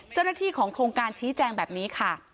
เจ้าหน้าที่ของโครงการชี้แจงแบบนี้ค่ะ